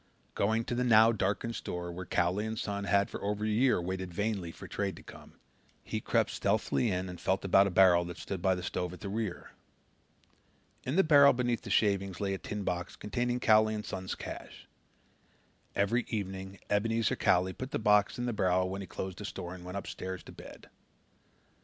Going to the now darkened store, where Cowley & Son had for over a year waited vainly for trade to come, he crept stealthily in and felt about in a barrel that stood by the stove at the rear. In the barrel beneath shavings lay a tin box containing Cowley & Son's cash. Every evening Ebenezer Cowley put the box in the barrel when he closed the store and went upstairs to bed.